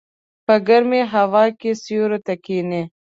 په ګرمه هوا کې سیوري ته کېنه.